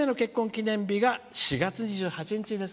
記念日が４月２８日です」。